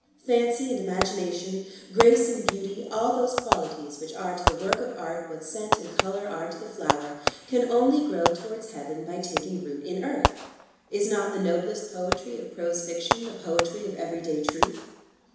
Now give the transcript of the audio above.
Fancy and Imagination, Grace and Beauty, all those qualities which are to the work of Art what scent and colour are to the flower, can only grow towards heaven by taking root in earth. Is not the noblest poetry of prose fiction the poetry of every day truth?